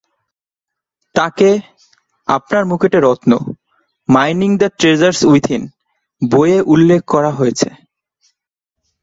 তাকে "আপনার মুকুটে রত্ন: মাইনিং দ্য ট্রেজারস উইথইন" বইয়ে উল্লেখ করা হয়েছে।